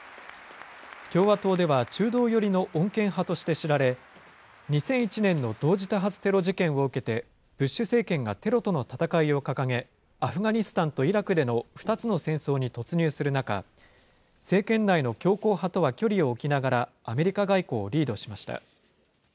共和党では、中道寄りの穏健派として知られ、２００１年の同時多発テロ事件を受けて、ブッシュ政権がテロとの戦いを掲げ、アフガニスタンとイラクでの２つの戦争に突入する中、政権内の強硬派とは距離を置きながら、アメリカ外交をリードしました。